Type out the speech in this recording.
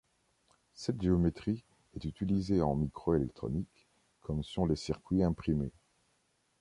Cette géométrie est utilisée en microélectronique comme sur les circuits imprimés.